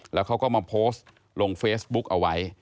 แล้วเขาก็มาโพสต์ลงเฟซบุ๊กเอาไว้